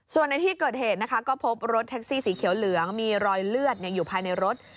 ส่วนในที่เกิดเหตุนะคะก็พบรถแท็กซี่สีเขียวเหลืองมีรอยเลือดอยู่ภายในรถ